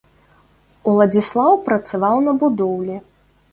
Уладзіслаў працаваў на будоўлі.